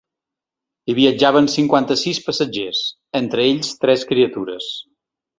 Hi viatjaven cinquanta-sis passatgers, entre ells tres criatures.